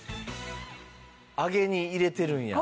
揚げに入れてるんや。